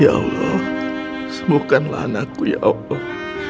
ya allah bukanlah anakku ya allah